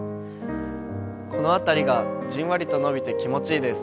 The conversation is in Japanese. この辺りがじんわりと伸びて気持ちいいです。